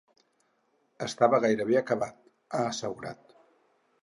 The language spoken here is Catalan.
“Estava gairebé acabat”, ha assegurat.